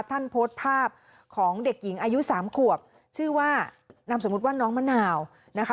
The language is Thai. ท่านโพสต์ภาพของเด็กหญิงอายุสามขวบชื่อว่านามสมมุติว่าน้องมะนาวนะคะ